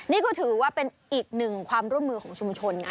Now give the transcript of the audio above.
นี่ก็ถือว่าเป็นอีกหนึ่งความร่วมมือของชุมชนไง